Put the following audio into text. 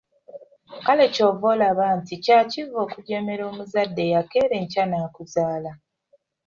Kale ky'ova olaba nti kya kivve okujeemera omuzadde eyakeera enkya n’akuzaala.